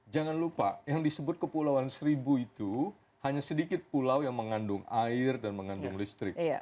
jangan lupa yang disebut kepulauan seribu itu hanya sedikit pulau yang mengandung air dan mengandung listrik